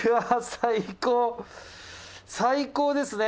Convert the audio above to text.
最高ですね！